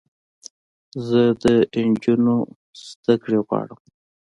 زه د انجونوو زدکړې غواړم